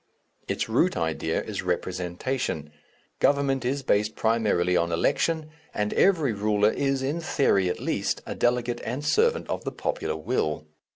Its root idea is representation. Government is based primarily on election, and every ruler is, in theory at least, a delegate and servant of the popular will.